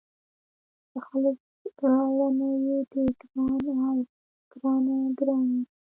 د تخلص راوړنه يې د --ګران--او --ګرانه ګراني